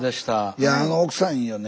いやあの奥さんいいよね。